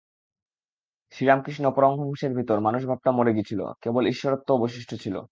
শ্রীরামকৃষ্ণ পরমহংসের ভিতর মানুষ-ভাবটা মরে গিছল, কেবল ঈশ্বরত্ব অবশিষ্ট ছিল।